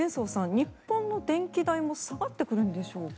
日本の電気代も下がってくるんでしょうか。